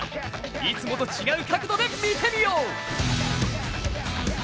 いつもと違う角度で見てみよう。